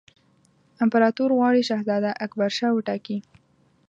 امپراطور غواړي شهزاده اکبرشاه وټاکي.